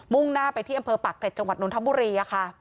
มุ่งหน้าไปที่อำเภอปักแผลจังหวัดนทบุรี